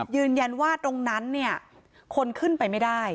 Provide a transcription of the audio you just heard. ยืนยันว่าตรงนั้นเนี่ยคนขึ้นไปไม่ได้